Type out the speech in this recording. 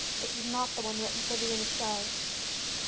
This is not the one written for thee in the stars.